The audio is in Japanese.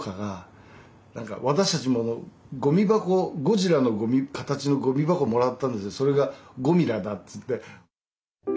私たちもゴジラの形のゴミ箱もらったんですけどそれが「ゴミラ」だっつって。